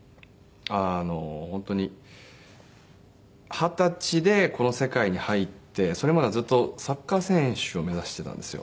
本当に二十歳でこの世界に入ってそれまではずっとサッカー選手を目指してたんですよ。